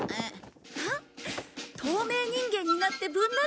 透明人間になってぶん殴るんだね！